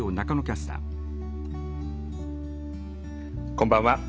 こんばんは。